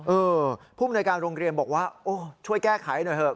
เออผู้มนุยการโรงเรียนบอกว่าโอ้ช่วยแก้ไขหน่อยเถอะ